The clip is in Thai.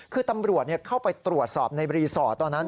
คือตำรวจเข้าไปตรวจสอบในรีสอร์ทตอนนั้น